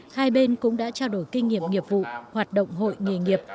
hai bên cũng đã trao đổi kinh nghiệm nghiệp vụ hoạt động hội nghề nghiệp